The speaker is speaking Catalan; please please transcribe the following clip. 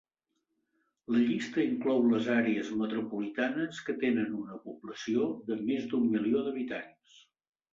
La llista inclou les àrees metropolitanes que tenen una població de més d'un milió d'habitants.